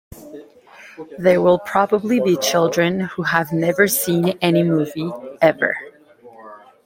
They will probably be children who have never seen any movie, ever.